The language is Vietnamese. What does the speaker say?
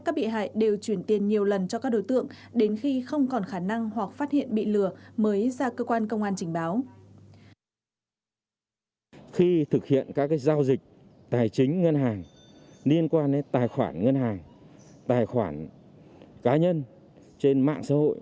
khi thực hiện các giao dịch tài chính ngân hàng liên quan đến tài khoản ngân hàng tài khoản cá nhân trên mạng xã hội